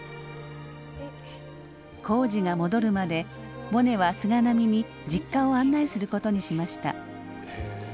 耕治が戻るまでモネは菅波に実家を案内することにしました。